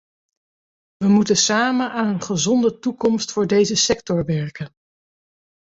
We moeten samen aan een gezonde toekomst voor deze sector werken.